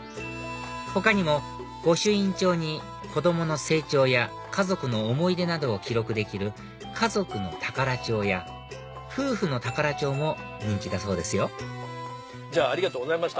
他にも御朱印帳に子供の成長や家族の思い出などを記録できる家族の宝帖や夫婦の宝帖も人気だそうですよありがとうございました。